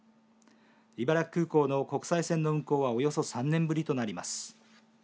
茨城空港の国際線の運航はおよそ３年ぶりとなります。